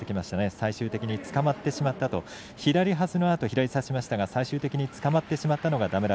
最終的につかまってしまった左はずのあと左を差しましたが最終的につかまってしまったのがだめだ。